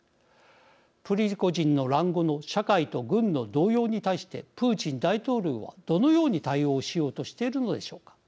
プリゴジンの乱後の社会と軍の動揺に対してプーチン大統領はどのように対応しようとしているのでしょうか。